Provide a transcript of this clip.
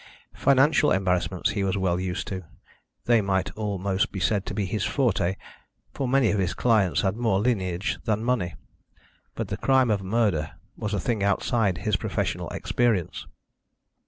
Financial embarrassments he was well used to they might almost be said to be his forte for many of his clients had more lineage than money, but the crime of murder was a thing outside his professional experience.